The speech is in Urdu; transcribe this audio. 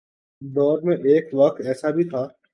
دور میں ایک وقت ایسا بھی تھا۔